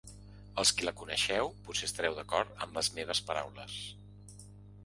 Els qui la coneixeu potser estareu d’acord amb les meves paraules.